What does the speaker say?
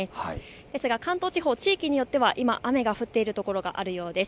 ですが関東地方、地域によっては今、雨が降っている所があるようです。